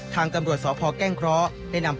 ทางกำรวจสพแก้งเคราะห์